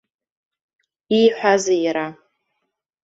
Ииҳәазеи иара?